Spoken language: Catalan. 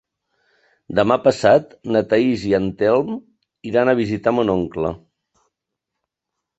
Demà passat na Thaís i en Telm iran a visitar mon oncle.